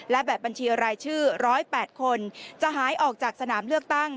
และแบบบัญชีรายชื่อ๑๐๘คนจะหายออกจากสนามเลือกตั้ง